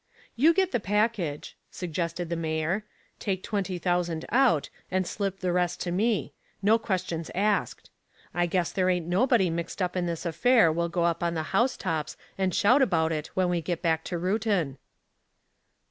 "You get the package," suggested the mayor, "take twenty thousand out, and slip the rest to me. No questions asked. I guess there ain't nobody mixed up in this affair will go up on the housetops and shout about it when we get back to Reuton."